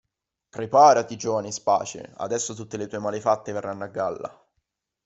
"Preparati giovane Space, adesso tutte le tue malefatte verranno a galla.